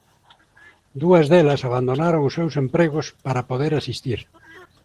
Dúas delas abandonaron os seus empregos para poder asistir.